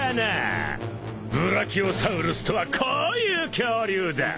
ブラキオサウルスとはこういう恐竜だ。